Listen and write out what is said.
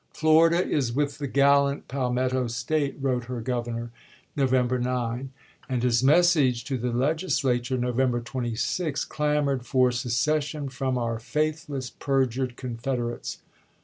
"Florida is with the gallant Palmetto State," wrote her Gov ernor, November 9 ; and his message to the Legis weo. lature, November 26, clamored for " secession from our faithless, perjured Confederates."